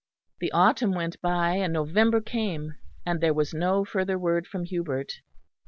The autumn went by, and November came, and there was no further word from Hubert.